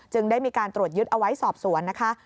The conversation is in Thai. ได้มีการตรวจยึดเอาไว้สอบสวนนะคะ